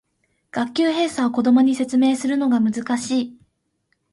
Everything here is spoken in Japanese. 学級閉鎖を子供に説明するのが難しい